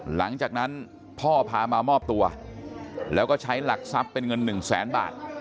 หลังจากนั้นพ่อพามามอบตัวแล้วก็ใช้หลักทรัพย์เป็นเงินหนึ่งแสนบาท